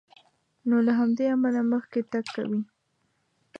نو له همدې امله مخکې تګ کوي.